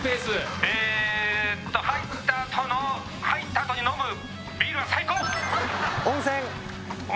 えっと入ったあとの入ったあとに飲むビールは最高温泉違う？